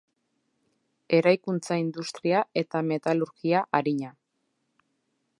Eraikuntza industria eta metalurgia arina.